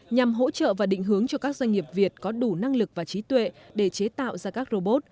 nhằm hỗ trợ và định hướng cho các doanh nghiệp việt có đủ năng lực và trí tuệ để chế tạo ra các robot